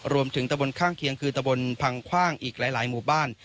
รวมถึงตำบลข้างเคียงคือตำบลพังคว่างอีกหลายหมู่บ้าน